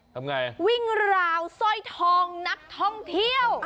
ทำไงวิ่งราวสร้อยทองนักท่องเที่ยว